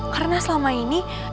karena selama ini